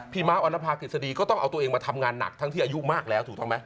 ม้าออนภากฤษฎีก็ต้องเอาตัวเองมาทำงานหนักทั้งที่อายุมากแล้วถูกต้องไหม